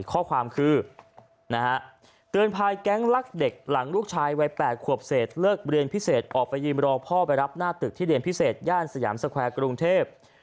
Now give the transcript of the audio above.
ข้อความคือนะฮะเตือนภัยแก๊งลักเด็กหลังลูกชายวัย๘ขวบเศษเลิกเรียนพิเศษออกไปยืมรอพ่อไปรับหน้าตึกที่เรียนพิเศษย่านสยามสแควร์กรุงเทพ